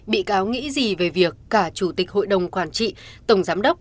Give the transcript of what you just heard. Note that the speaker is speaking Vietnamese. bị cáo nghĩ gì về việc cả chủ tịch hội đồng quản trị tổng giám đốc